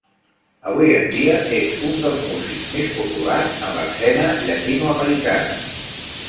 Avui en dia és un dels músics més populars en l'escena llatinoamericana.